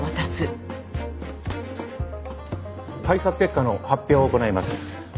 開札結果の発表を行います。